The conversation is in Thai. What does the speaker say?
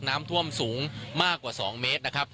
น้ำท่วมสูงมากกว่า๒เมตร